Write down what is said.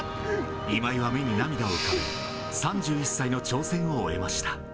今井は目に涙を浮かべ、３１歳の挑戦を終えました。